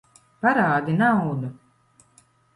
Parādi naudu!